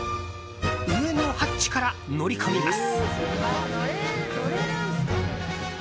上のハッチから乗り込みます。